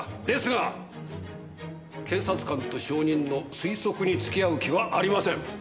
ですが検察官と証人の推測に付き合う気はありません。